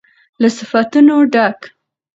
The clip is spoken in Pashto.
له صفتونو ډک